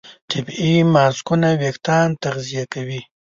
طبیعي ماسکونه وېښتيان تغذیه کوي.